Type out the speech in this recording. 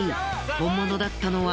本物だったのは！？